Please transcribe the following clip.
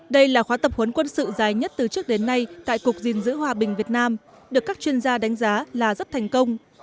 đây là khóa tập huấn quân sự dài nhất từ trước đến nay tại cục diên dữ hòa bình việt nam được các chuyên gia đánh giá là rất thành công